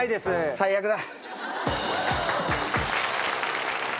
最悪だ。